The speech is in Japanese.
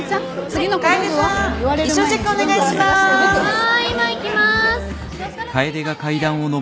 はい。